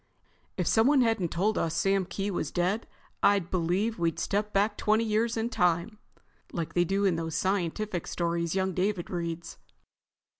"If someone hadn't told us Sam Kee was dead, I'd believe we'd stepped back twenty years in time, like they do in those scientific stories young David reads."